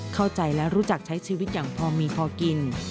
เข้าใจและรู้จักใช้ชีวิตอย่างพอมีพอกิน